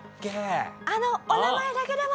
「あのお名前だけでも」。